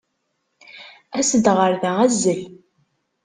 As-d ɣer da, azzel.